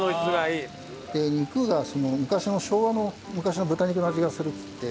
で肉が昔の昭和の昔の豚肉の味がするっつって。